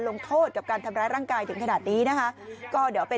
ลงโทษกับการทำร้ายร่างกายถึงขนาดนี้นะคะก็เดี๋ยวไป